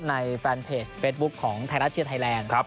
ในแฟนเพจเฟสบุ๊คของไทรรัชเชียร์ไทยแรง